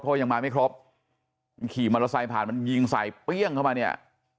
เพราะยังมาไม่ครบขี่มอเตอร์ไซค์ผ่านมันยิงใส่เปรี้ยงเข้ามาเนี่ย